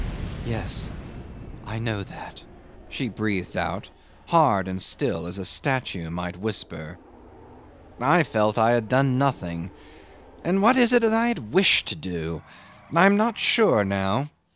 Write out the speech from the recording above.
"Yes, I know that," she breathed out, hard and still, as a statue might whisper. 'I felt I had done nothing. And what is it that I had wished to do? I am not sure now.